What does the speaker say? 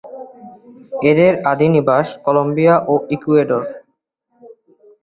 এদের আদি নিবাস কলম্বিয়া ও ইকুয়েডর।